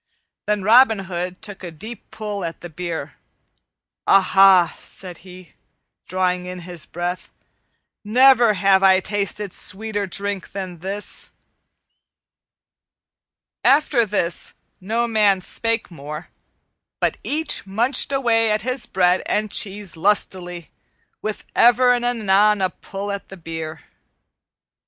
Then Robin Hood took a deep pull at the beer. "Aha!" said he, drawing in his breath, "never have I tasted sweeter drink than this." After this no man spake more, but each munched away at his bread and cheese lustily, with ever and anon a pull at the beer.